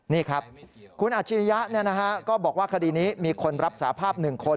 นี่ครับคุณอาชิริยะก็บอกว่าคดีนี้มีคนรับสาภาพ๑คน